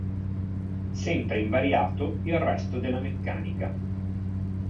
Sempre invariato il resto della meccanica.